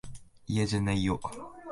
いやじゃないよ。